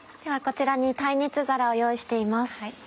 こちらに耐熱皿を用意しています。